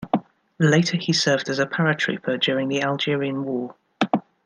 Later he served as a paratrooper during the Algerian War.